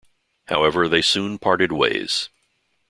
However, they soon parted ways.